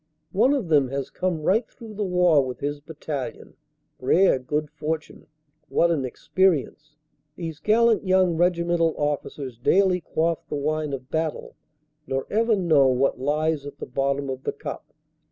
One of them has come right through the war with his Battalion rare good fortune. What an experience! These gallant young regi mental officers daily quaff the wine of battle, nor ever know what lies at bottom of the cup.